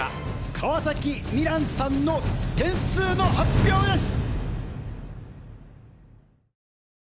川嵜心蘭さんの点数の発表です！